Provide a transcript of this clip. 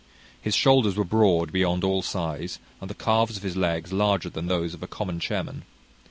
His shoulders were broad beyond all size, and the calves of his legs larger than those of a common chairman.